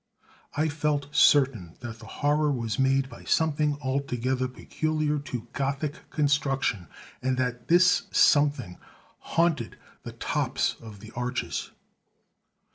I felt certain that the horror was made by something altogether peculiar to Gothic construction, and that this something haunted the tops of the arches.